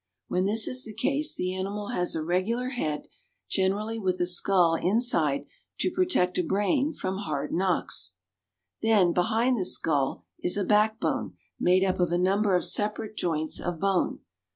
When this is the case the animal has a regular head, generally with a skull inside to protect a brain from hard knocks. Then behind the skull is a backbone made up of a number of separate joints of bone.